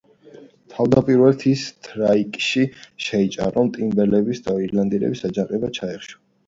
თავდაპირველად ის თრაკიაში შეიჭრა, რომ ტრიბალების და ილირიელების აჯანყება ჩაეხშო.